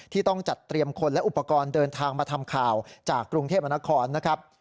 ต้องจัดเตรียมคนและอุปกรณ์เดินทางมาทำข่าวจากกรุงเทพมนครนะครับ